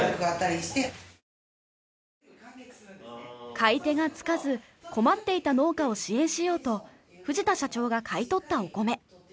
買い手がつかず困っていた農家を支援しようと藤田社長が買い取ったお米。